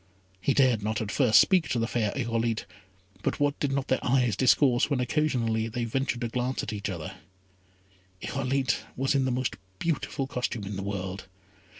He dared not at first speak to the fair Irolite; but what did not their eyes discourse when occasionally, they ventured to glance at each other. Irolite was in the most beautiful costume in the world.